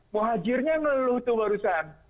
muhajirnya yang leluhur tuh barusan